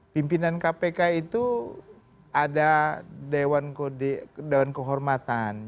pimpinan kpk itu ada dewan kehormatan